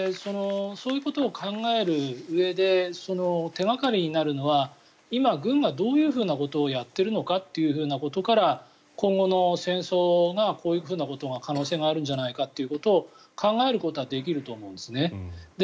そういうことを考えるうえで手掛かりになるのは今、軍がどういうふうなことをやっているのかというふうなことから今後の戦争がこういう可能性があるんじゃないかということを考えることはできると思うんです。